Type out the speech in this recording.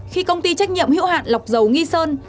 khi công ty trách nhiệm hữu hạn lọc dầu nghi sơn